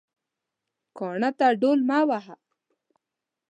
کاڼه ته ډول مه وهه